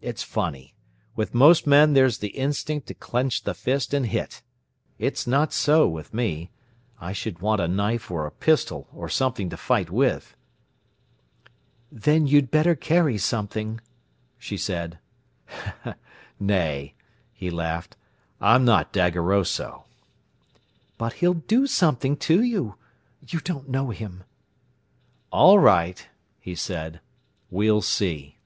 It's funny. With most men there's the instinct to clench the fist and hit. It's not so with me. I should want a knife or a pistol or something to fight with." "Then you'd better carry something," she said. "Nay," he laughed; "I'm not daggeroso." "But he'll do something to you. You don't know him." "All right," he said, "we'll see."